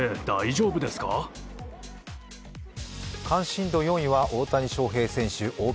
関心度４位は大谷翔平選手